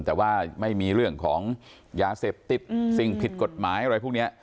แต่ว่าไม่มีเรื่องของยาเสพติดสิ่งผิดกฎหมายอะไรพวกนี้